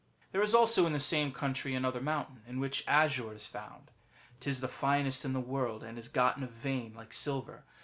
^ There is also in the same country another mountain, in which azure is found ; 'tis the finest in the world, and is got in a vein like silver.